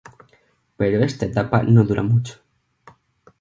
Pero esta etapa no dura mucho.